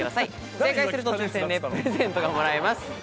正解すると抽選でプレゼントがもらえます。